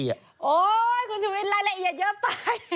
โอ้โหคุณชุวิตรายละเอียดเยอะไป